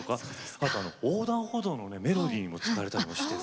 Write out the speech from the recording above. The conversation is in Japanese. あとあの横断歩道のねメロディーにも使われたりもしてる。